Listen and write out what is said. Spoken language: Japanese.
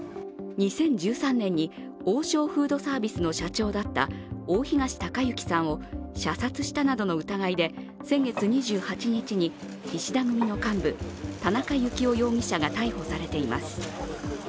２０１３年に王将フードサービスの社長だった大東隆行さんを射殺したなどの疑いで先月２８日に石田組の幹部・田中幸雄容疑者が逮捕されています。